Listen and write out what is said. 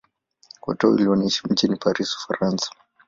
Wote wawili wanaishi mjini Paris, Ufaransa.